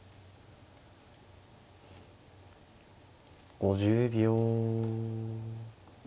５０秒。